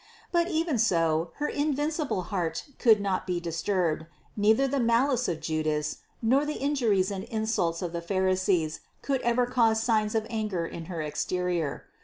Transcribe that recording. But even so her invincible heart could not be disturbed : neither the malice of Judas, nor the injuries and insults of the pharisees could ever cause signs of anger in her exterior.